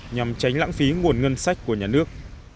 nhằm tránh lãng phí nguồn ngân sách của nhà nước